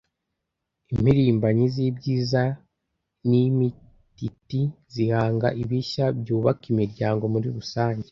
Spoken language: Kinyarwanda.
Impirimbanyi z’ibyiza n’Intiti zihanga ibishya byubaka imiryango muri rusange